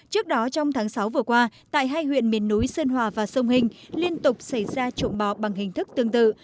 trước đó trong tháng sáu vừa qua tại hai huyện miền núi sơn hòa và sông hình liên tục xảy ra trộm bò bằng hình thức tương tự